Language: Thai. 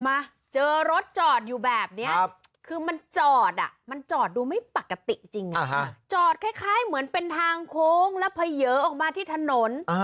มาเจอรถจอดอยู่แบบนี้คือมันจอดอ่ะมันจอดดูไม่ปกติจริงจอดคล้ายเหมือนเป็นทางโค้งแล้วเผยออกมาที่ถนน